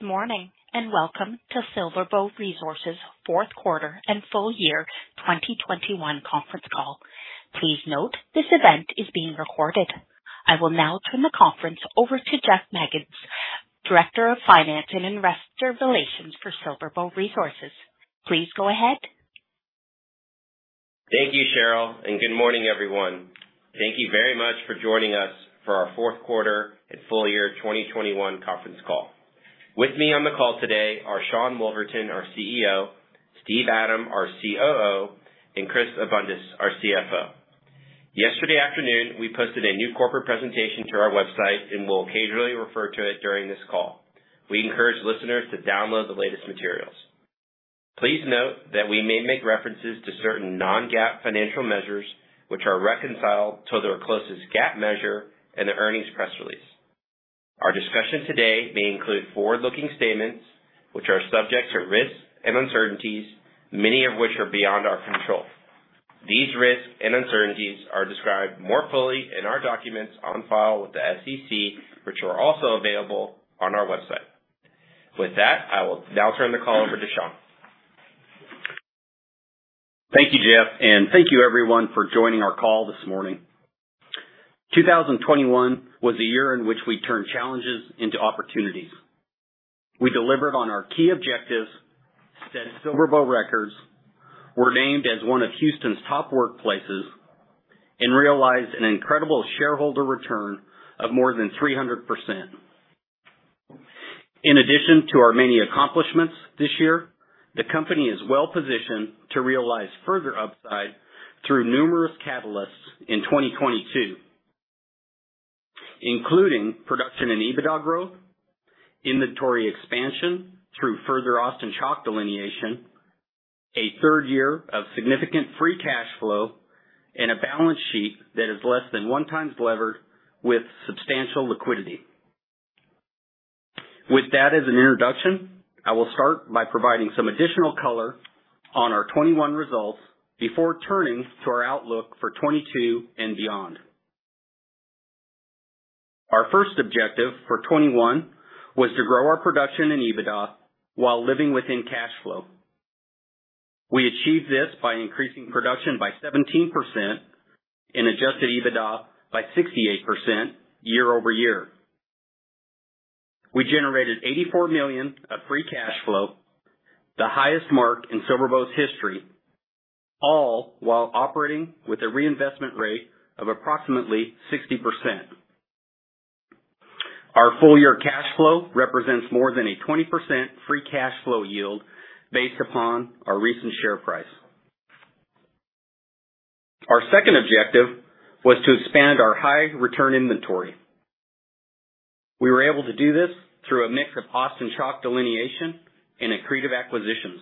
Good morning, and welcome to SilverBow Resources' fourth quarter and full year 2021 conference call. Please note this event is being recorded. I will now turn the conference over to Jeff Magids, Director of Finance and Investor Relations for SilverBow Resources. Please go ahead. Thank you, Cheryl, and good morning, everyone. Thank you very much for joining us for our fourth quarter and full year 2021 conference call. With me on the call today are Sean Woolverton, our CEO, Steven Adam, our COO, and Christopher Abundis, our CFO. Yesterday afternoon, we posted a new corporate presentation to our website, and we'll occasionally refer to it during this call. We encourage listeners to download the latest materials. Please note that we may make references to certain non-GAAP financial measures which are reconciled to their closest GAAP measure in the earnings press release. Our discussion today may include forward-looking statements which are subject to risks and uncertainties, many of which are beyond our control. These risks and uncertainties are described more fully in our documents on file with the SEC, which are also available on our website. With that, I will now turn the call over to Sean. Thank you, Jeff, and thank you everyone for joining our call this morning. 2021 was a year in which we turned challenges into opportunities. We delivered on our key objectives, set SilverBow records, were named as one of Houston's top workplaces, and realized an incredible shareholder return of more than 300%. In addition to our many accomplishments this year, the company is well-positioned to realize further upside through numerous catalysts in 2022, including production and EBITDA growth, inventory expansion through further Austin Chalk delineation, a third year of significant free cash flow, and a balance sheet that is less than one times levered with substantial liquidity. With that as an introduction, I will start by providing some additional color on our 2021 results before turning to our outlook for 2022 and beyond. Our first objective for 2021 was to grow our production and EBITDA while living within cash flow. We achieved this by increasing production by 17% and Adjusted EBITDA by 68% year-over-year. We generated $84 million of free cash flow, the highest mark in SilverBow's history, all while operating with a reinvestment rate of approximately 60%. Our full year cash flow represents more than a 20% free cash flow yield based upon our recent share price. Our second objective was to expand our high return inventory. We were able to do this through a mix of Austin Chalk delineation and accretive acquisitions.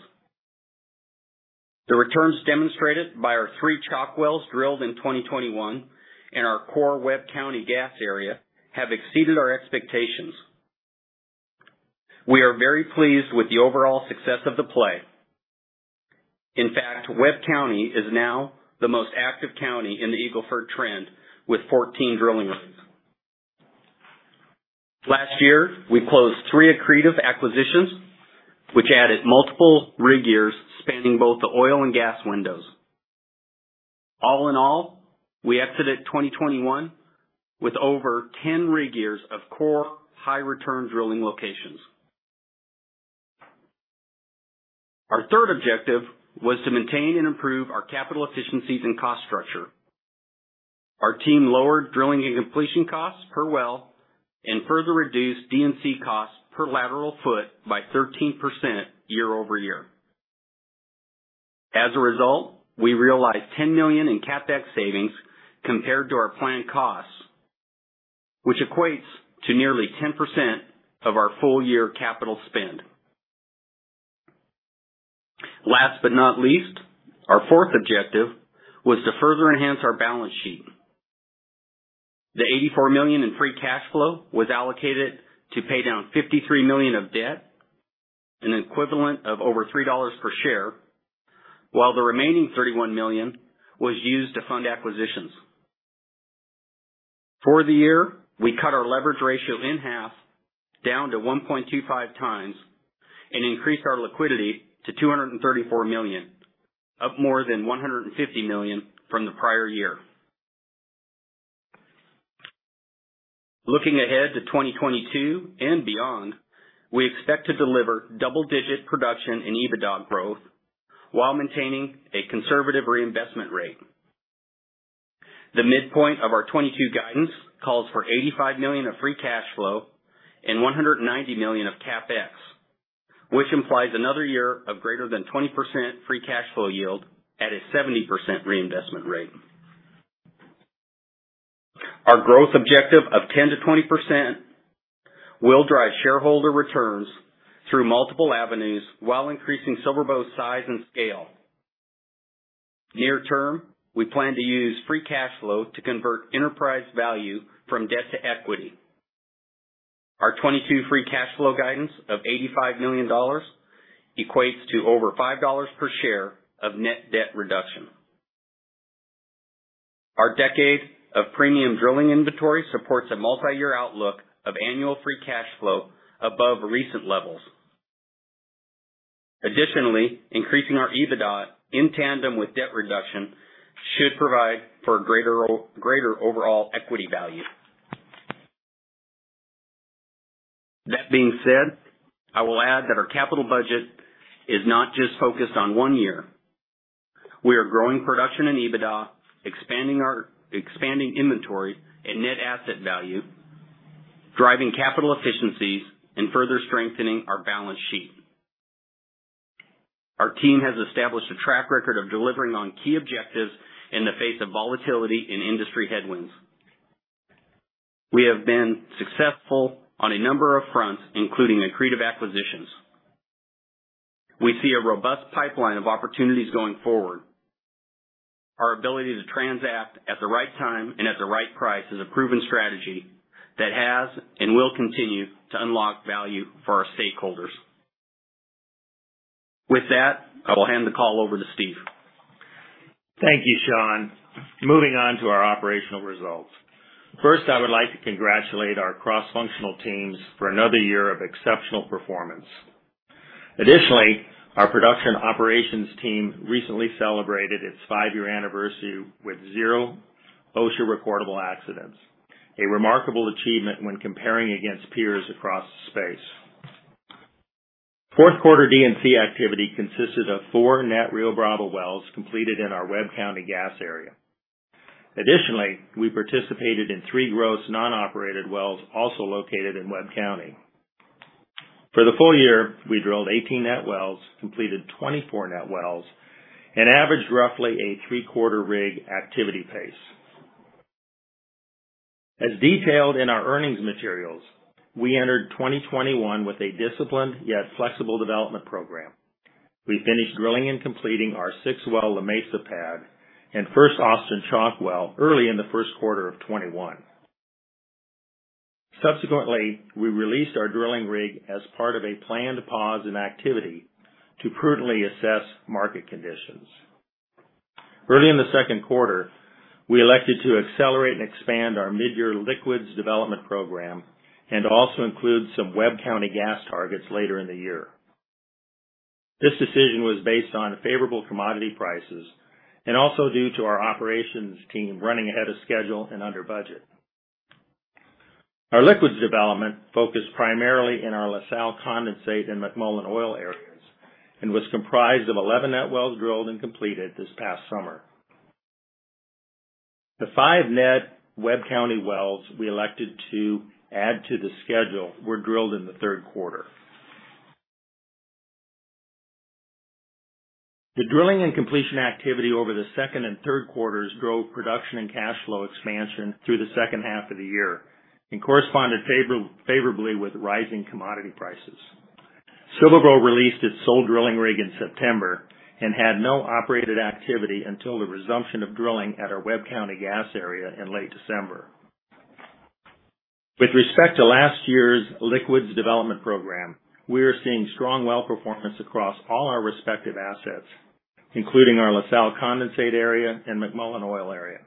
The returns demonstrated by our three chalk wells drilled in 2021 in our core Webb County gas area have exceeded our expectations. We are very pleased with the overall success of the play. In fact, Webb County is now the most active county in the Eagle Ford trend with 14 drilling rigs. Last year, we closed three accretive acquisitions, which added multiple rig years spanning both the oil and gas windows. All in all, we exited 2021 with over 10 rig years of core high return drilling locations. Our third objective was to maintain and improve our capital efficiencies and cost structure. Our team lowered drilling and completion costs per well and further reduced D&C costs per lateral foot by 13% year-over-year. As a result, we realized $10 million in CapEx savings compared to our planned costs, which equates to nearly 10% of our full year capital spend. Last but not least, our fourth objective was to further enhance our balance sheet. The $84 million in free cash flow was allocated to pay down $53 million of debt, an equivalent of over $3 per share, while the remaining $31 million was used to fund acquisitions. For the year, we cut our leverage ratio in half down to 1.25x and increased our liquidity to $234 million, up more than $150 million from the prior year. Looking ahead to 2022 and beyond, we expect to deliver double-digit production and EBITDA growth while maintaining a conservative reinvestment rate. The midpoint of our 2022 guidance calls for $85 million of free cash flow and $190 million of CapEx, which implies another year of greater than 20% free cash flow yield at a 70% reinvestment rate. Our growth objective of 10%-20% will drive shareholder returns through multiple avenues while increasing SilverBow's size and scale. Near term, we plan to use free cash flow to convert enterprise value from debt to equity. Our 2022 free cash flow guidance of $85 million equates to over $5 per share of net debt reduction. Our decade of premium drilling inventory supports a multi-year outlook of annual free cash flow above recent levels. Additionally, increasing our EBITDA in tandem with debt reduction should provide for a greater overall equity value. That being said, I will add that our capital budget is not just focused on one year. We are growing production and EBITDA, expanding our inventory and net asset value, driving capital efficiencies, and further strengthening our balance sheet. Our team has established a track record of delivering on key objectives in the face of volatility and industry headwinds. We have been successful on a number of fronts, including accretive acquisitions. We see a robust pipeline of opportunities going forward. Our ability to transact at the right time and at the right price is a proven strategy that has and will continue to unlock value for our stakeholders. With that, I will hand the call over to Steve. Thank you, Sean. Moving on to our operational results. First, I would like to congratulate our cross-functional teams for another year of exceptional performance. Additionally, our production operations team recently celebrated its five-year anniversary with zero OSHA recordable accidents, a remarkable achievement when comparing against peers across the space. Fourth quarter D&C activity consisted of four net Rio Bravo wells completed in our Webb County gas area. Additionally, we participated in three gross non-operated wells, also located in Webb County. For the full year, we drilled 18 net wells, completed 24 net wells, and averaged roughly a three-quarter rig activity pace. As detailed in our earnings materials, we entered 2021 with a disciplined yet flexible development program. We finished drilling and completing our six-well La Mesa pad and first Austin Chalk well early in the first quarter of 2021. Subsequently, we released our drilling rig as part of a planned pause in activity to prudently assess market conditions. Early in the second quarter, we elected to accelerate and expand our mid-year liquids development program and also include some Webb County gas targets later in the year. This decision was based on favorable commodity prices and also due to our operations team running ahead of schedule and under budget. Our liquids development focused primarily in our La Salle condensate and McMullen oil areas and was comprised of 11 net wells drilled and completed this past summer. The five net Webb County wells we elected to add to the schedule were drilled in the third quarter. The drilling and completion activity over the second and third quarters drove production and cash flow expansion through the second half of the year and corresponded favorably with rising commodity prices. SilverBow released its sole drilling rig in September and had no operated activity until the resumption of drilling at our Webb County gas area in late December. With respect to last year's liquids development program, we are seeing strong well performance across all our respective assets, including our La Salle condensate area and McMullen oil area.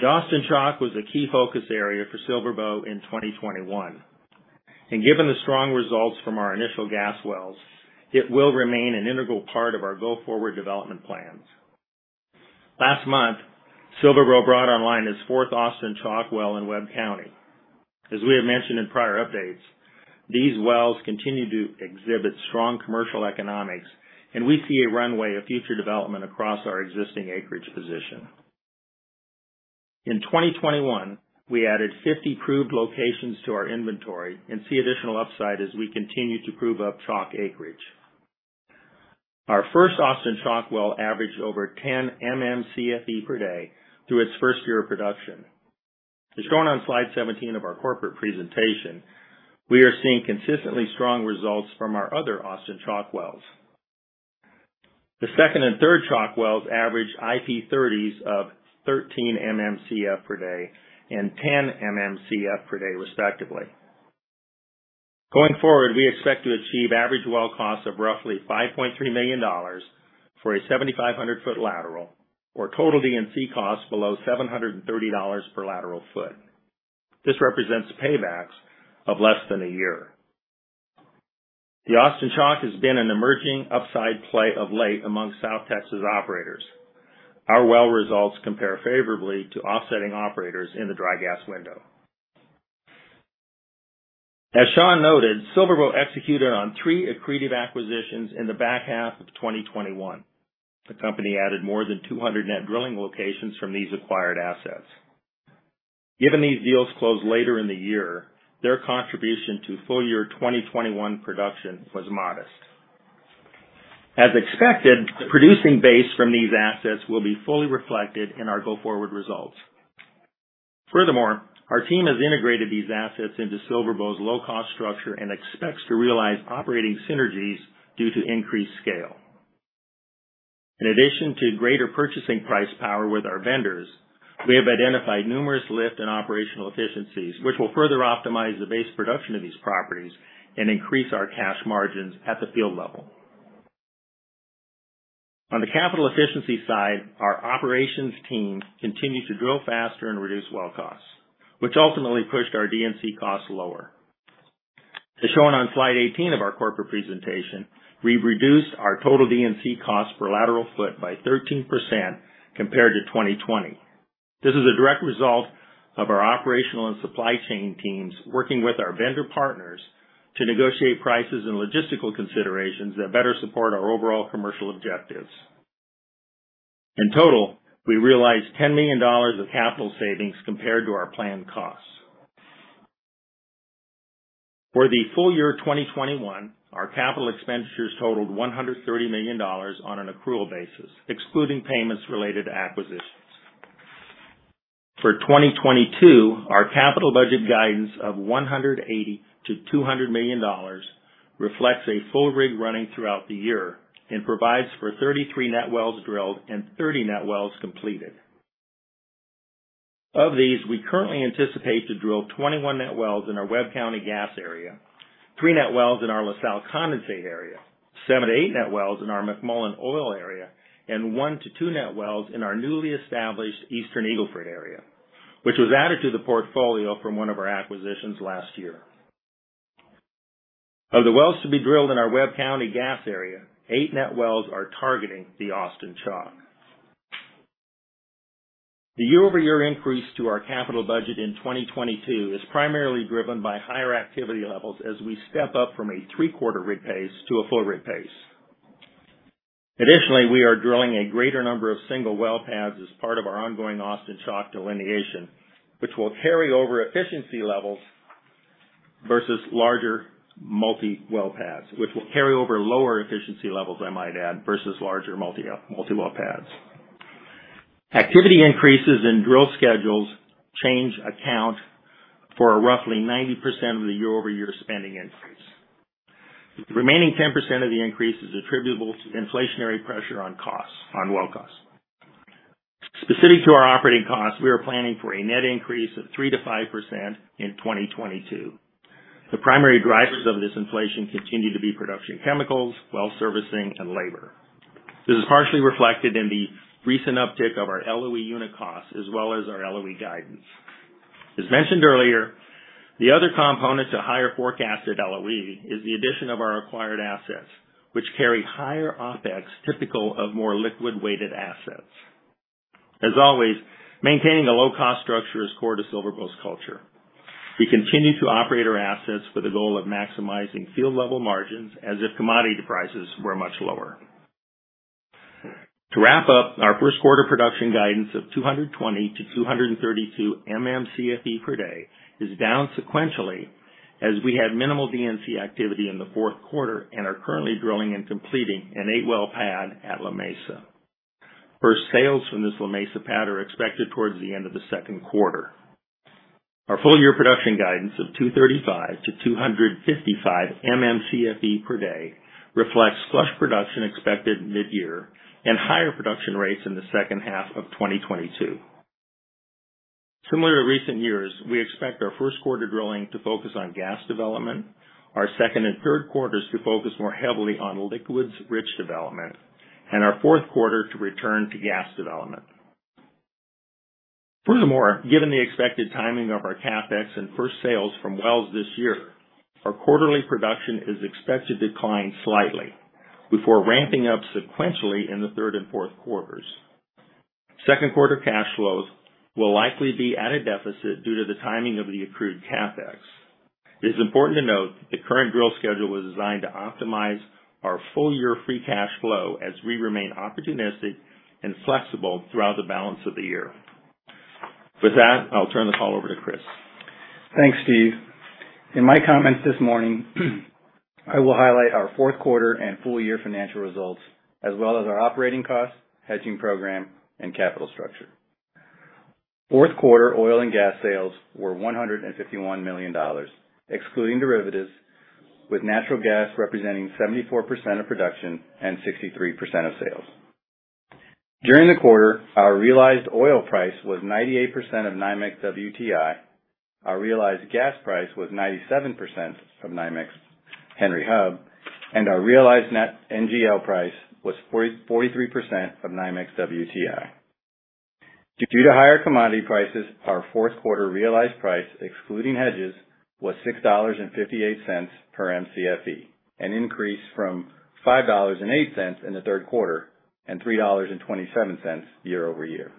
The Austin Chalk was a key focus area for SilverBow in 2021, and given the strong results from our initial gas wells, it will remain an integral part of our go-forward development plans. Last month, SilverBow brought online its fourth Austin Chalk well in Webb County. As we have mentioned in prior updates, these wells continue to exhibit strong commercial economics, and we see a runway of future development across our existing acreage position. In 2021, we added 50 proved locations to our inventory and see additional upside as we continue to prove up Chalk acreage. Our first Austin Chalk well averaged over 10 MMcf per day through its first year of production. As shown on Slide 17 of our corporate presentation, we are seeing consistently strong results from our other Austin Chalk wells. The second and third Chalk wells average IP30s of 13 MMcf per day and 10 MMcf per day, respectively. Going forward, we expect to achieve average well costs of roughly $5.3 million for a 7,500 foot lateral or total D&C costs below $730 per lateral foot. This represents paybacks of less than a year. The Austin Chalk has been an emerging upside play of late among South Texas operators. Our well results compare favorably to offsetting operators in the dry gas window. As Sean noted, SilverBow executed on three accretive acquisitions in the back half of 2021. The company added more than 200 net drilling locations from these acquired assets. Given these deals closed later in the year, their contribution to full year 2021 production was modest. As expected, producing base from these assets will be fully reflected in our go-forward results. Furthermore, our team has integrated these assets into SilverBow's low cost structure and expects to realize operating synergies due to increased scale. In addition to greater purchasing price power with our vendors. We have identified numerous lift and operational efficiencies, which will further optimize the base production of these properties and increase our cash margins at the field level. On the capital efficiency side, our operations team continued to drill faster and reduce well costs, which ultimately pushed our D&C costs lower. As shown on Slide 18 of our corporate presentation, we've reduced our total D&C costs per lateral foot by 13% compared to 2020. This is a direct result of our operational and supply chain teams working with our vendor partners to negotiate prices and logistical considerations that better support our overall commercial objectives. In total, we realized $10 million of capital savings compared to our planned costs. For the full year of 2021, our capital expenditures totaled $130 million on an accrual basis, excluding payments related to acquisitions. For 2022, our capital budget guidance of $180 million-$200 million reflects a full rig running throughout the year and provides for 33 net wells drilled and 30 net wells completed. Of these, we currently anticipate to drill 21 net wells in our Webb County gas area, three net wells in our La Salle condensate area, seven to eight net wells in our McMullen oil area, and one to two net wells in our newly established Eastern Eagle Ford area, which was added to the portfolio from one of our acquisitions last year. Of the wells to be drilled in our Webb County gas area, 8 net wells are targeting the Austin Chalk. The year-over-year increase to our capital budget in 2022 is primarily driven by higher activity levels as we step up from a three-quarter rig pace to a full rig pace. Additionally, we are drilling a greater number of single well pads as part of our ongoing Austin Chalk delineation, which will carry over efficiency levels versus larger multi-well pads, which will carry over lower efficiency levels, I might add, versus larger multi-well pads. Activity increases and drill schedule changes account for roughly 90% of the year-over-year spending increase. The remaining 10% of the increase is attributable to inflationary pressure on costs, on well costs. Specific to our operating costs, we are planning for a net increase of 3%-5% in 2022. The primary drivers of this inflation continue to be production chemicals, well servicing, and labor. This is partially reflected in the recent uptick of our LOE unit costs as well as our LOE guidance. As mentioned earlier, the other component to higher forecasted LOE is the addition of our acquired assets, which carry higher OpEx typical of more liquid-weighted assets. As always, maintaining a low cost structure is core to SilverBow's culture. We continue to operate our assets with the goal of maximizing field-level margins as if commodity prices were much lower. To wrap up, our first quarter production guidance of 220-232 MMcfe per day is down sequentially as we had minimal D&C activity in the fourth quarter, and are currently drilling and completing an 8-well pad at La Mesa. First sales from this La Mesa pad are expected towards the end of the second quarter. Our full year production guidance of 235-255 MMcfe per day reflects flush production expected mid-year and higher production rates in the second half of 2022. Similar to recent years, we expect our first quarter drilling to focus on gas development, our second and third quarters to focus more heavily on liquids rich development, and our fourth quarter to return to gas development. Furthermore, given the expected timing of our CapEx and first sales from wells this year, our quarterly production is expected to decline slightly before ramping up sequentially in the third and fourth quarters. Second quarter cash flows will likely be at a deficit due to the timing of the accrued CapEx. It is important to note that the current drill schedule was designed to optimize our full year free cash flow as we remain opportunistic and flexible throughout the balance of the year. With that, I'll turn the call over to Chris. Thanks, Steve. In my comments this morning, I will highlight our fourth quarter and full year financial results, as well as our operating costs, hedging program, and capital structure. Fourth quarter oil and gas sales were $151 million, excluding derivatives, with natural gas representing 74% of production and 63% of sales. During the quarter, our realized oil price was 98% of NYMEX WTI, our realized gas price was 97% of NYMEX Henry Hub, and our realized net NGL price was 43% of NYMEX WTI. Due to higher commodity prices, our fourth quarter realized price, excluding hedges, was $6.58 per Mcfe, an increase from $5.08 in the third quarter, and $3.27 year-over-year.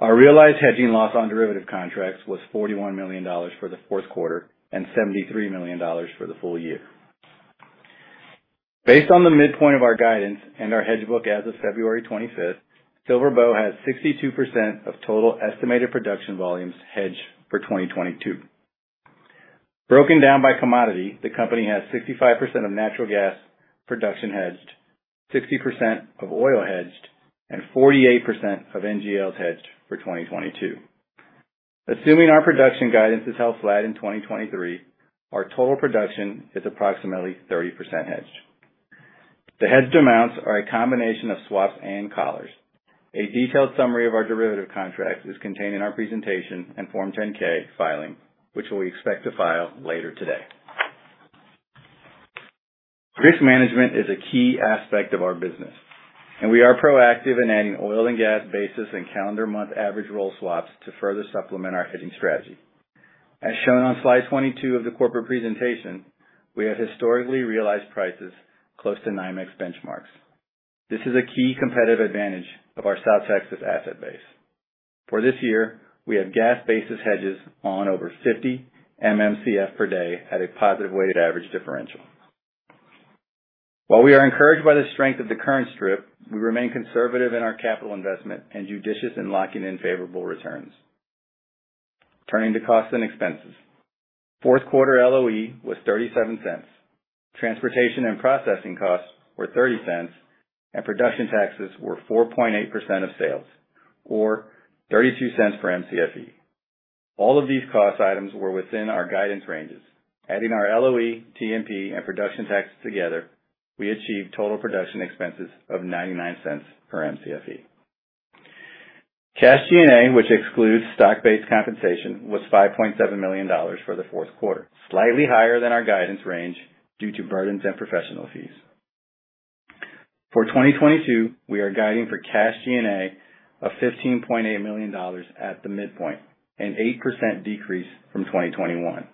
Our realized hedging loss on derivative contracts was $41 million for the fourth quarter, and $73 million for the full year. Based on the midpoint of our guidance and our hedge book as of February 25th, SilverBow has 62% of total estimated production volumes hedged for 2022. Broken down by commodity, the company has 65% of natural gas production hedged, 60% of oil hedged, and 48% of NGLs hedged for 2022. Assuming our production guidance is held flat in 2023, our total production is approximately 30% hedged. The hedged amounts are a combination of swaps and collars. A detailed summary of our derivative contract is contained in our presentation and Form 10-K filing, which we expect to file later today. Risk management is a key aspect of our business, and we are proactive in adding oil and gas basis and calendar month average roll swaps to further supplement our hedging strategy. As shown on Slide 22 of the corporate presentation, we have historically realized prices close to NYMEX benchmarks. This is a key competitive advantage of our South Texas asset base. For this year, we have gas basis hedges on over 50 MMcf per day at a positive weighted average differential. While we are encouraged by the strength of the current strip, we remain conservative in our capital investment and judicious in locking in favorable returns. Turning to costs and expenses. Fourth quarter LOE was $0.37. Transportation and processing costs were $0.30, and production taxes were 4.8% of sales, or $0.32 per Mcfe. All of these cost items were within our guidance ranges. Adding our LOE, T&P, and production taxes together, we achieved total production expenses of $0.99 per Mcfe. Cash G&A, which excludes stock-based compensation, was $5.7 million for the fourth quarter, slightly higher than our guidance range due to burdens and professional fees. For 2022, we are guiding for cash G&A of $15.8 million at the midpoint, an 8% decrease from 2021.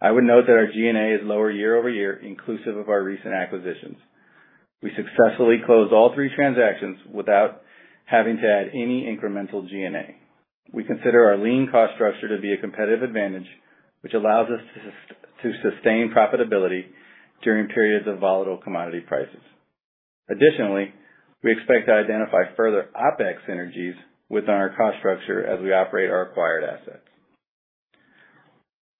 I would note that our G&A is lower year-over-year, inclusive of our recent acquisitions. We successfully closed all three transactions without having to add any incremental G&A. We consider our lean cost structure to be a competitive advantage, which allows us to sustain profitability during periods of volatile commodity prices. Additionally, we expect to identify further OpEx synergies within our cost structure as we operate our acquired assets.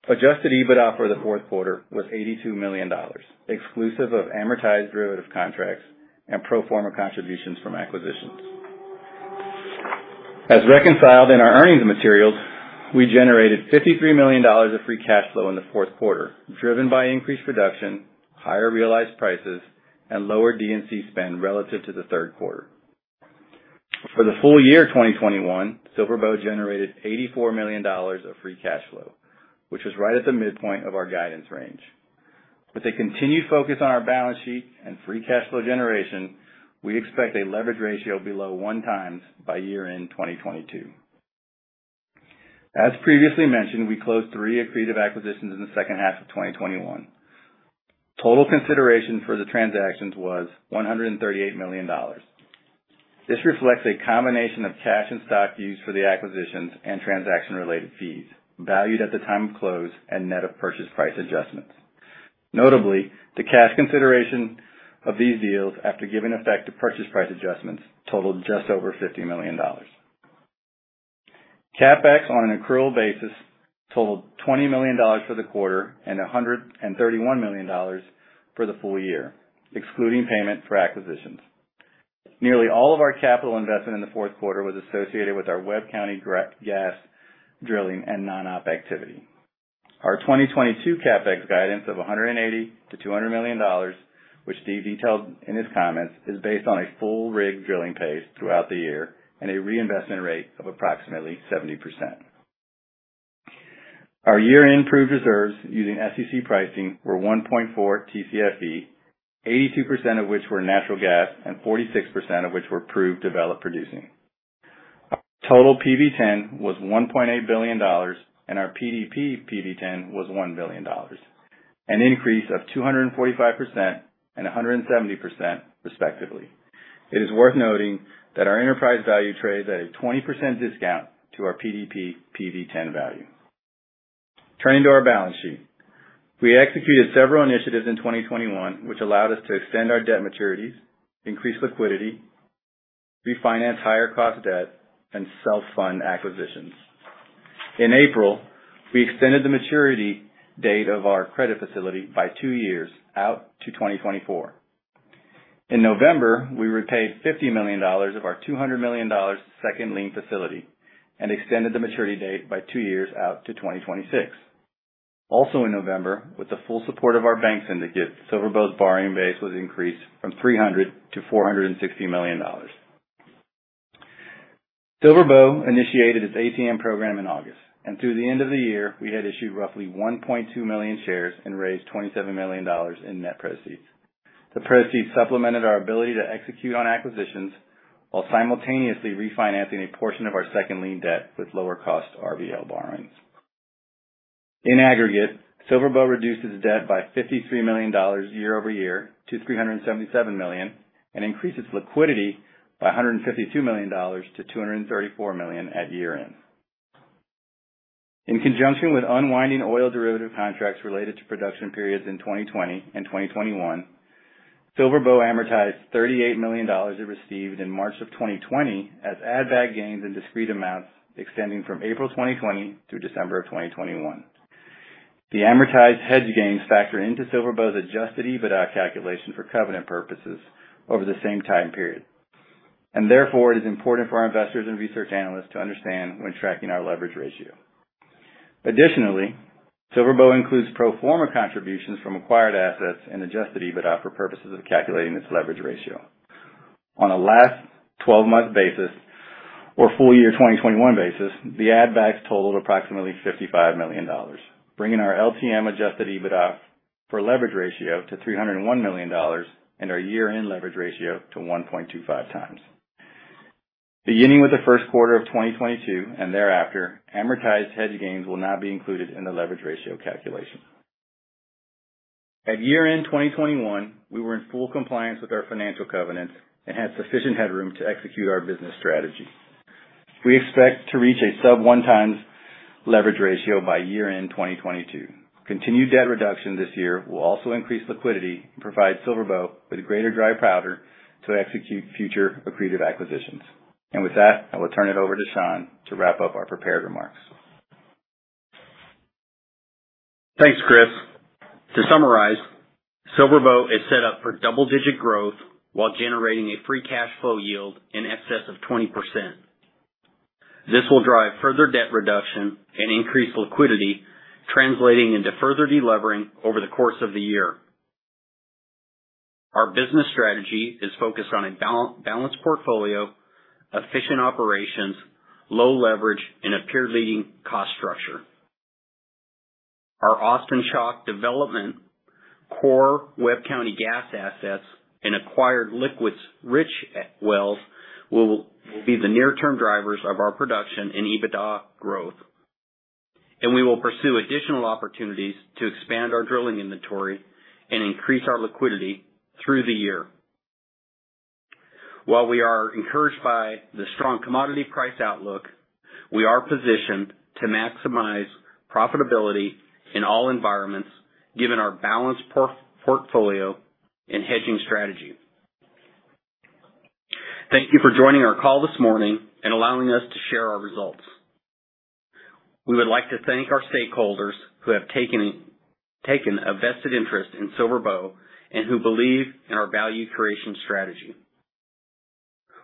Adjusted EBITDA for the fourth quarter was $82 million, exclusive of amortized derivative contracts and pro forma contributions from acquisitions. As reconciled in our earnings materials, we generated $53 million of free cash flow in the fourth quarter, driven by increased production, higher realized prices, and lower D&C spend relative to the third quarter. For the full year 2021, SilverBow generated $84 million of free cash flow, which was right at the midpoint of our guidance range. With a continued focus on our balance sheet and free cash flow generation, we expect a leverage ratio below 1x by year-end 2022. As previously mentioned, we closed three accretive acquisitions in the second half of 2021. Total consideration for the transactions was $138 million. This reflects a combination of cash and stock used for the acquisitions and transaction-related fees valued at the time of close and net of purchase price adjustments. Notably, the cash consideration of these deals after giving effect to purchase price adjustments totaled just over $50 million. CapEx on an accrual basis totaled $20 million for the quarter and $131 million for the full year, excluding payment for acquisitions. Nearly all of our capital investment in the fourth quarter was associated with our Webb County direct gas drilling and non-op activity. Our 2022 CapEx guidance of $180 million-$200 million, which Steve detailed in his comments, is based on a full rig drilling pace throughout the year and a reinvestment rate of approximately 70%. Our year-end proved reserves using SEC pricing were 1.4 Tcfe, 82% of which were natural gas and 46% of which were proved developed producing. Our total PV-10 was $1.8 billion and our PDP PV-10 was $1 billion, an increase of 245% and 170% respectively. It is worth noting that our enterprise value trades at a 20% discount to our PDP PV-10 value. Turning to our balance sheet. We executed several initiatives in 2021, which allowed us to extend our debt maturities, increase liquidity, refinance higher cost debt, and self-fund acquisitions. In April, we extended the maturity date of our credit facility by two years out to 2024. In November, we repaid $50 million of our $200 million second lien facility and extended the maturity date by two years out to 2026. Also in November, with the full support of our bank syndicate, SilverBow's borrowing base was increased from $300 million-$460 million. SilverBow initiated its ATM program in August, and through the end of the year, we had issued roughly 1.2 million shares and raised $27 million in net proceeds. The proceeds supplemented our ability to execute on acquisitions while simultaneously refinancing a portion of our second lien debt with lower cost RBL borrowings. In aggregate, SilverBow reduced its debt by $53 million year-over-year to $377 million, and increased its liquidity by $152 million to $234 million at year-end. In conjunction with unwinding oil derivative contracts related to production periods in 2020 and 2021, SilverBow amortized $38 million it received in March 2020 as add-back gains in discrete amounts extending from April 2020 through December 2021. The amortized hedge gains factor into SilverBow's Adjusted EBITDA calculation for covenant purposes over the same time period, and therefore it is important for our investors and research analysts to understand when tracking our leverage ratio. Additionally, SilverBow includes pro forma contributions from acquired assets and Adjusted EBITDA for purposes of calculating its leverage ratio. On a last 12-month basis or full year 2021 basis, the add-backs totaled approximately $55 million, bringing our LTM Adjusted EBITDA for leverage ratio to $301 million and our year-end leverage ratio to 1.25x. Beginning with the first quarter of 2022 and thereafter, amortized hedge gains will now be included in the leverage ratio calculation. At year-end 2021, we were in full compliance with our financial covenants and had sufficient headroom to execute our business strategy. We expect to reach a sub 1x leverage ratio by year-end 2022. Continued debt reduction this year will also increase liquidity and provide SilverBow with greater dry powder to execute future accretive acquisitions. With that, I will turn it over to Sean to wrap up our prepared remarks. Thanks, Chris. To summarize, SilverBow is set up for double-digit growth while generating a free cash flow yield in excess of 20%. This will drive further debt reduction and increase liquidity, translating into further de-levering over the course of the year. Our business strategy is focused on a balanced portfolio, efficient operations, low leverage, and a peer-leading cost structure. Our Austin Chalk development, core Webb County gas assets, and acquired liquids-rich wells will be the near-term drivers of our production and EBITDA growth. We will pursue additional opportunities to expand our drilling inventory and increase our liquidity through the year. While we are encouraged by the strong commodity price outlook, we are positioned to maximize profitability in all environments given our balanced portfolio and hedging strategy. Thank you for joining our call this morning and allowing us to share our results. We would like to thank our stakeholders who have taken a vested interest in SilverBow and who believe in our value creation strategy.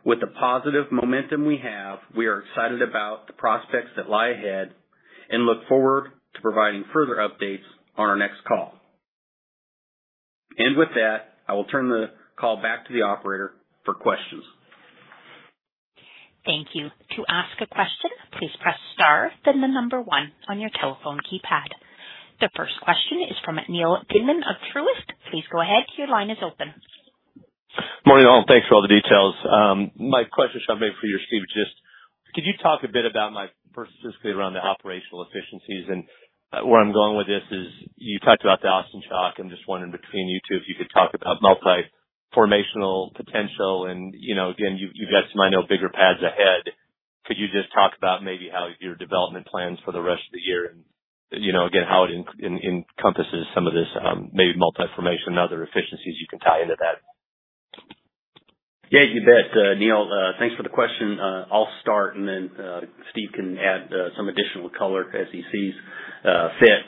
With the positive momentum we have, we are excited about the prospects that lie ahead and look forward to providing further updates on our next call. With that, I will turn the call back to the operator for questions. The first question is from Neal Dingmann of Truist. Please go ahead. Your line is open. Morning, all. Thanks for all the details. My question, Sean, maybe for you or Steve, just could you talk a bit about my, first specifically around the operational efficiencies? Where I'm going with this is you talked about the Austin Chalk. I'm just wondering between you two, if you could talk about multi-formational potential. You know, again, you've got some, I know, bigger pads ahead. Could you just talk about maybe how your development plans for the rest of the year and, you know, again, how it encompasses some of this, maybe multi-formation and other efficiencies you can tie into that? Yeah, you bet, Neal. Thanks for the question. I'll start and then Steve can add some additional color as he sees fit.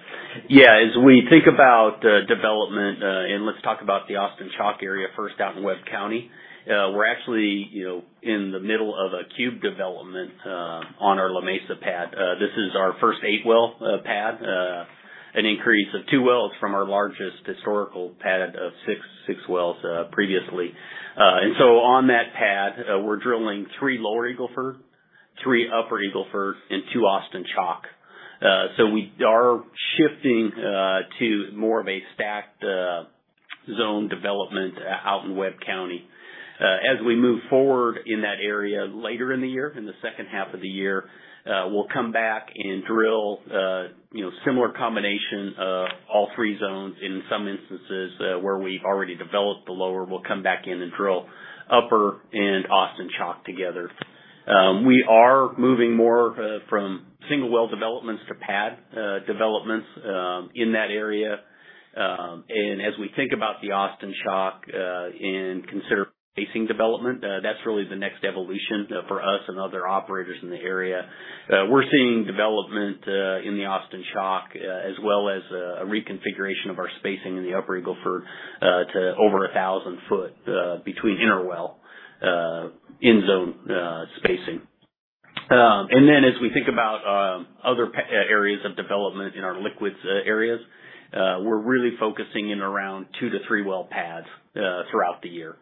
As we think about development, let's talk about the Austin Chalk area first out in Webb County. We're actually, you know, in the middle of a cube development on our La Mesa pad. This is our first eight-well pad, an increase of two wells from our largest historical pad of six wells previously. On that pad, we're drilling three Lower Eagle Ford, three Upper Eagle Ford, and two Austin Chalk. We are shifting to more of a stacked zone development out in Webb County. As we move forward in that area later in the year, in the second half of the year, we'll come back and drill, you know, similar combination of all three zones. In some instances, where we've already developed the Lower, we'll come back in and drill Upper and Austin Chalk together. We are moving more from single well developments to pad developments in that area. As we think about the Austin Chalk and consider spacing development, that's really the next evolution for us and other operators in the area. We're seeing development in the Austin Chalk as well as a reconfiguration of our spacing in the Upper Eagle Ford to over 1,000-foot between inter-well and zone spacing. As we think about other areas of development in our liquids areas, we're really focusing in around two to three well pads throughout the year.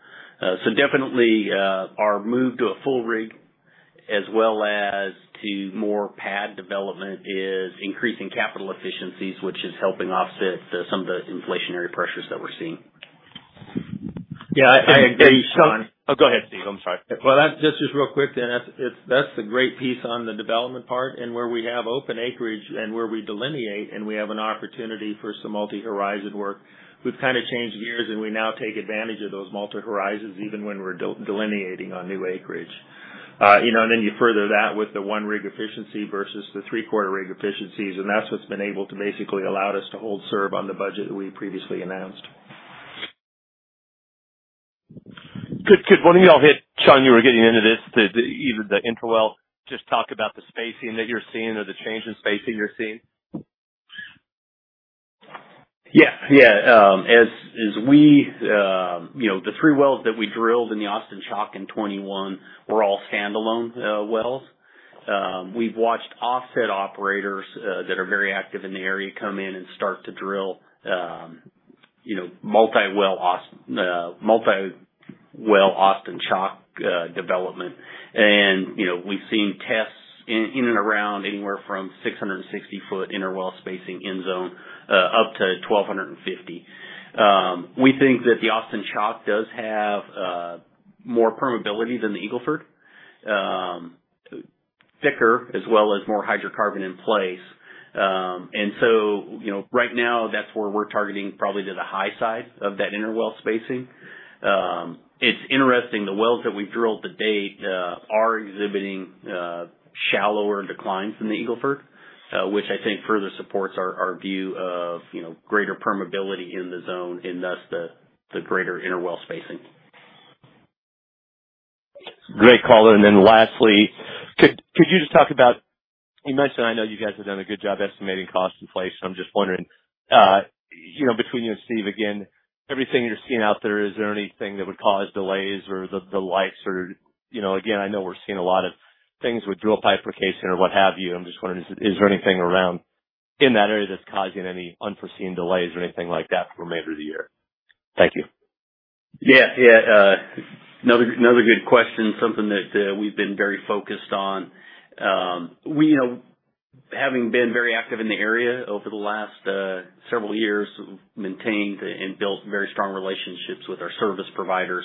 Definitely, our move to a full rig as well as to more pad development is increasing capital efficiencies, which is helping offset some of the inflationary pressures that we're seeing. Yeah, I agree, Sean. Oh, go ahead, Steve. I'm sorry. Well, just real quick then. That's a great piece on the development part. Where we have open acreage and where we delineate, and we have an opportunity for some multi-horizon work, we've kinda changed gears, and we now take advantage of those multi-horizons, even when we're de-delineating on new acreage. You know, and then you further that with the one rig efficiency versus the three-quarter rig efficiencies, and that's what's been able to basically allowed us to hold serve on the budget we previously announced. Good. One of y'all hit, Sean, you were getting into this, either the intra-well, just talk about the spacing that you're seeing or the change in spacing you're seeing. Yeah, yeah. As we, you know, the three wells that we drilled in the Austin Chalk in 2021 were all standalone wells. We've watched offset operators that are very active in the area come in and start to drill, you know, multi-well Austin Chalk development. You know, we've seen tests in and around anywhere from 660-foot inter-well spacing in zone up to 1,250. We think that the Austin Chalk does have more permeability than the Eagle Ford. Thicker as well as more hydrocarbon in place. You know, right now that's where we're targeting probably to the high side of that inter-well spacing. It's interesting, the wells that we've drilled to date are exhibiting shallower declines than the Eagle Ford, which I think further supports our view of, you know, greater permeability in the zone and thus the greater inter-well spacing. Great, color. Then lastly, could you just talk about. You mentioned, I know you guys have done a good job estimating cost in place. I'm just wondering, you know, between you and Steve, again, everything you're seeing out there, is there anything that would cause delays or the likes or, you know, again, I know we're seeing a lot of things with drill pipe or casing or what have you. I'm just wondering, is there anything around in that area that's causing any unforeseen delays or anything like that for the remainder of the year? Thank you. Another good question. Something that we've been very focused on. We, you know, having been very active in the area over the last several years, maintained and built very strong relationships with our service providers.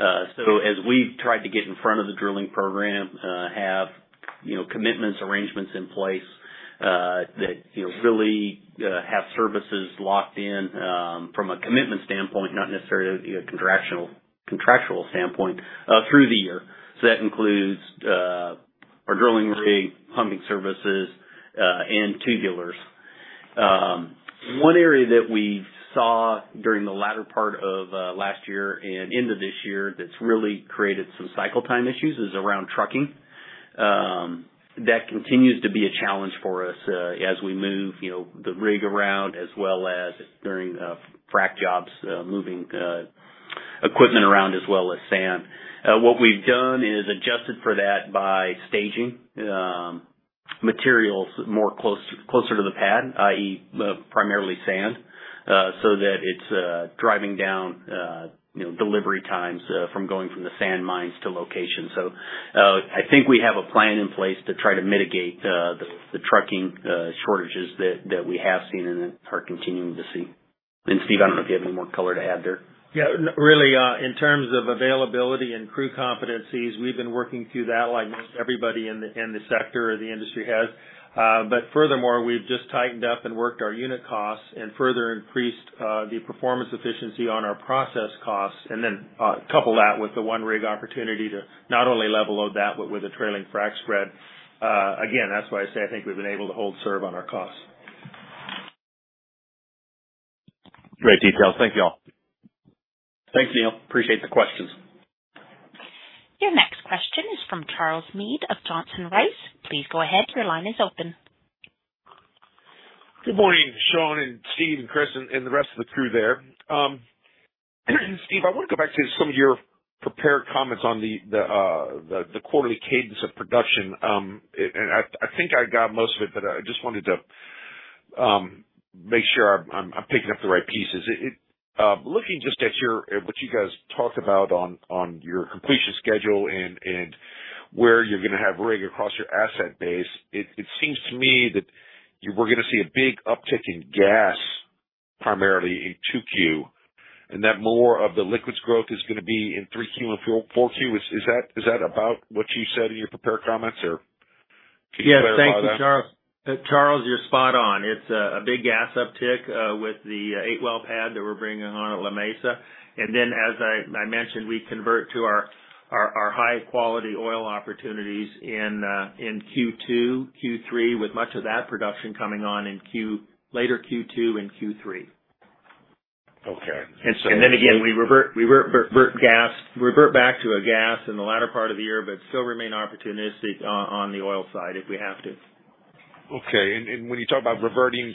As we've tried to get in front of the drilling program, have commitments, arrangements in place that really have services locked in from a commitment standpoint, not necessarily a contractual standpoint through the year. That includes our drilling rig, pumping services, and tubulars. One area that we saw during the latter part of last year and into this year that's really created some cycle time issues is around trucking. That continues to be a challenge for us as we move, you know, the rig around as well as during frac jobs, moving equipment around as well as sand. What we've done is adjusted for that by staging materials closer to the pad, i.e., primarily sand, so that it's driving down, you know, delivery times from going from the sand mines to locations. I think we have a plan in place to try to mitigate the trucking shortages that we have seen and are continuing to see. Steve, I don't know if you have any more color to add there. Yeah. Really, in terms of availability and crew competencies, we've been working through that like most everybody in the sector or the industry has. Furthermore, we've just tightened up and worked our unit costs and further increased the performance efficiency on our process costs, and then couple that with the one rig opportunity to not only level load that, but with a trailing frack spread. Again, that's why I say I think we've been able to hold serve on our costs. Great details. Thank you all. Thanks, Neal. Appreciate the questions. Your next question is from Charles Meade of Johnson Rice. Please go ahead. Your line is open. Good morning, Sean and Steve and Chris and the rest of the crew there. Steve, I want to go back to some of your prepared comments on the quarterly cadence of production. And I think I got most of it, but I just wanted to make sure I'm picking up the right pieces. Looking just at what you guys talked about on your completion schedule and where you're gonna have rig across your asset base, it seems to me that you were gonna see a big uptick in gas, primarily in 2Q, and that more of the liquids growth is gonna be in 3Q and 4Q. Is that about what you said in your prepared comments, or can you clarify that? Thank you, Charles. Charles, you're spot on. It's a big gas uptick with the eight-well pad that we're bringing on at La Mesa. As I mentioned, we convert to our high-quality oil opportunities in Q2, Q3, with much of that production coming on later in Q2 and Q3. Okay. We revert back to gas in the latter part of the year, but still remain opportunistic on the oil side if we have to. Okay. When you talk about reverting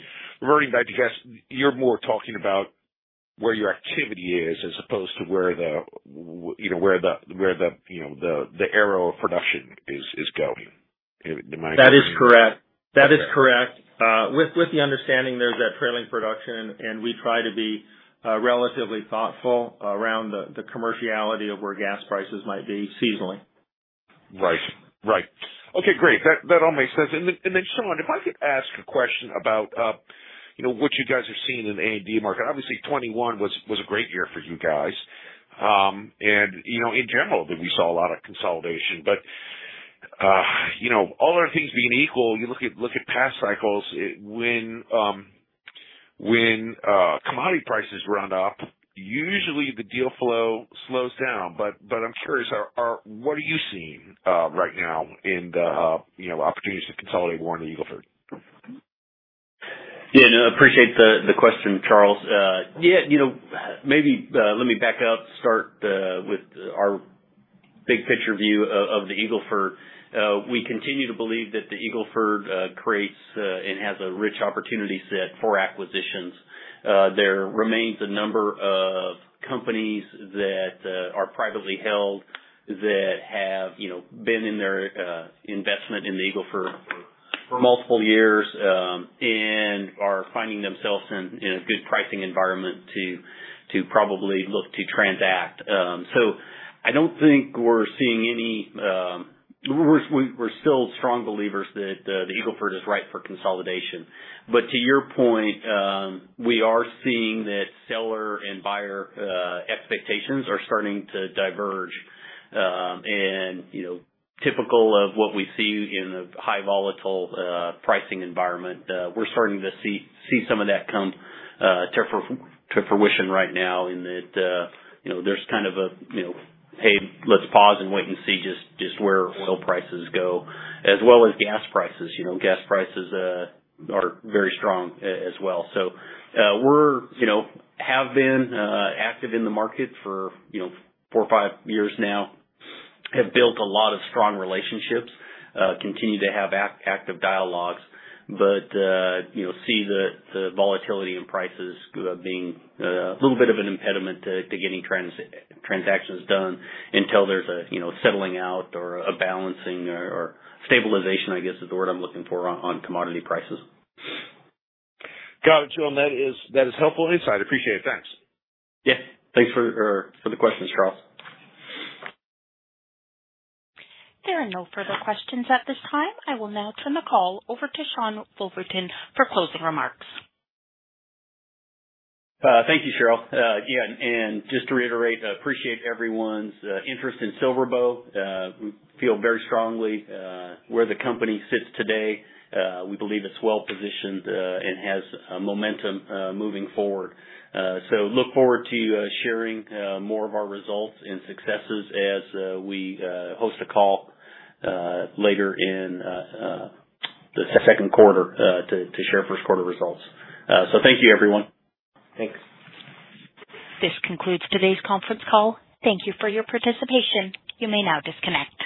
back to gas, you're more talking about where your activity is as opposed to where you know, where the arrow of production is going. Am I That is correct. Okay. That is correct. With the understanding there's that trailing production, and we try to be relatively thoughtful around the commerciality of where gas prices might be seasonally. Right. Okay, great. That all makes sense. I just wonder if I could ask a question about, you know, what you guys are seeing in the A&D market. Obviously, 2021 was a great year for you guys. You know, in general, we saw a lot of consolidation, but you know, all other things being equal, you look at past cycles, when commodity prices run up, usually the deal flow slows down. But I'm curious, what are you seeing right now in the, you know, opportunities to consolidate more in the Eagle Ford? Yeah. No, appreciate the question, Charles. Yeah, you know, maybe let me back up, start with our big picture view of the Eagle Ford. We continue to believe that the Eagle Ford creates and has a rich opportunity set for acquisitions. There remains a number of companies that are privately held that have, you know, been in their investment in the Eagle Ford for multiple years, and are finding themselves in a good pricing environment to probably look to transact. So I don't think we're seeing any. We're still strong believers that the Eagle Ford is right for consolidation. But to your point, we are seeing that seller and buyer expectations are starting to diverge. You know, typical of what we see in a highly volatile pricing environment, we're starting to see some of that come to fruition right now in that, you know, there's kind of a, you know, "Hey, let's pause and wait and see just where oil prices go," as well as gas prices. You know, gas prices are very strong as well. We're, you know, have been active in the market for, you know, four or five years now, have built a lot of strong relationships, continue to have active dialogues. You know, see the volatility in prices being a little bit of an impediment to getting transactions done until there's a, you know, settling out or a balancing or stabilization, I guess is the word I'm looking for, on commodity prices. Got it, Sean. That is helpful insight. Appreciate it. Thanks. Yeah. Thanks for the question, Charles. There are no further questions at this time. I will now turn the call over to Sean Woolverton for closing remarks. Thank you, Cheryl. Again, and just to reiterate, I appreciate everyone's interest in SilverBow. We feel very strongly where the company sits today. We believe it's well positioned and has a momentum moving forward. Look forward to sharing more of our results and successes as we host a call later in the second quarter to share first quarter results. Thank you, everyone. Thanks. This concludes today's conference call. Thank you for your participation. You may now disconnect.